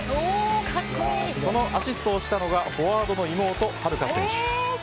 そのアシストをしたのがフォワードの妹・秦留可選手。